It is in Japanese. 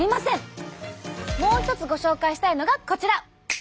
もう一つご紹介したいのがこちら！